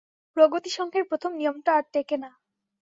প্রগতিসংঘের প্রথম নিয়মটা আর টেকে না।